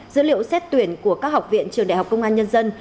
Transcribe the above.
dữ liệu xét tuyển của các học viện trường đại học công an nhân dân